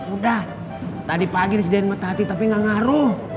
udah tadi pagi disediain mata hati tapi gak ngaruh